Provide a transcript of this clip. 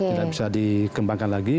tidak bisa dikembangkan lagi